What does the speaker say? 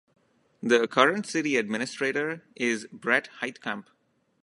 The current city administrator is Bret Heitkamp.